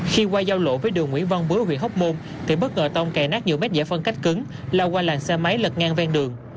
khi qua giao lộ với đường nguyễn văn bướ huyện hóc môn thì bất ngờ tông kè nát nhiều mét giải phân cách cứng lao qua làng xe máy lật ngang ven đường